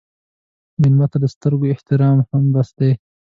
مېلمه ته د سترګو احترام هم بس دی.